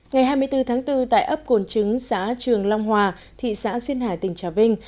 ngày hai mươi bốn tháng bốn tại ấp cồn chứng xã trường long hòa thị xã xuyên hải tỉnh trà vinh